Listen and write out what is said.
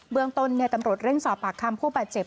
เมืองต้นตำรวจเร่งสอบปากคำผู้บาดเจ็บ